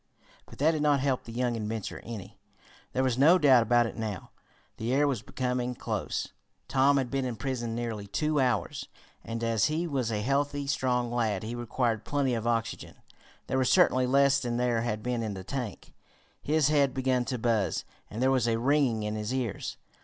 But that did not help the young inventor any. There was no doubt about it now the air was becoming close. Tom had been imprisoned nearly two hours, and as he was a healthy, strong lad, he required plenty of oxygen. There was certainly less than there had been in the tank. His head began to buzz, and there was a ringing in his ears.